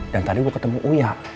dan tadi gue ketemu uya